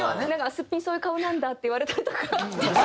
「すっぴんそういう顔なんだ」って言われたりとか。